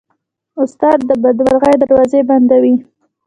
استاد د بدمرغۍ دروازې بندوي.